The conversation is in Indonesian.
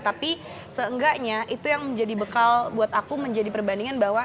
tapi seenggaknya itu yang menjadi bekal buat aku menjadi perbandingan bahwa